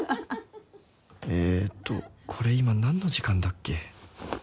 えーとこれ今何の時間だっけ？